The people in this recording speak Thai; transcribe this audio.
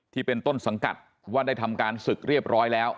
ที่เป็นต้นสังกัดว่าได้ทำการศึกเรียบร้อยแล้ว